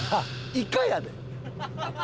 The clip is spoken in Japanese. イカやで？